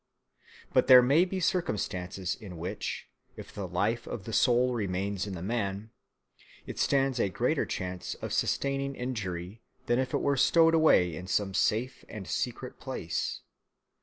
But there may be circumstances in which, if the life or soul remains in the man, it stands a greater chance of sustaining injury than if it were stowed away in some safe and secret place.